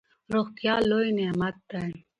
روغتیا لوی نعمت دئ.